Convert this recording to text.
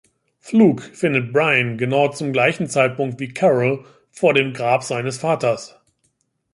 Fluke findet Brian genau zum gleichen Zeitpunkt wie Carol vor dem Grab seines Vaters.